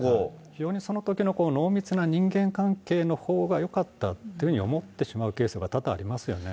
非常にそのときの濃密な人間関係のほうがよかったっていうふうに思ってしまうケースが多々ありますよね。